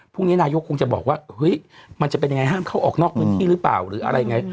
พรุ่งนี้นายกคงจะบอกว่าเฮ้ยมันจะเป็นยังไงห้ามเข้าออกนอกพื้นที่หรือเปล่าหรืออะไรยังไง